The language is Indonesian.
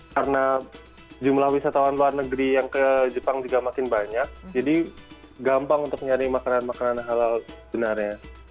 karena jumlah wisatawan luar negeri yang ke jepang juga makin banyak jadi gampang untuk nyari makanan makanan halal sebenarnya